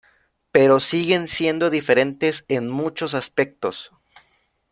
Pero siguen siendo diferentes en muchos aspectos.